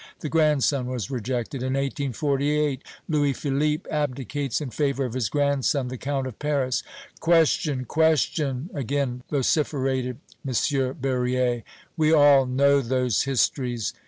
The grandson was rejected. In 1848, Louis Philippe abdicates in favor of his grandson the Count of Paris!" "Question question!" again vociferated M. Berryer. "We all know those histories!"